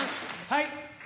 はい。